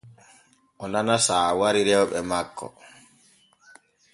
O nana saawari rewɓe makko.